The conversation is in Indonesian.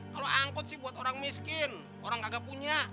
kalau angkot sih buat orang miskin orang kagak punya